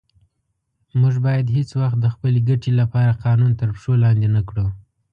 موږ باید هیڅ وخت د خپلې ګټې لپاره قانون تر پښو لاندې نه کړو.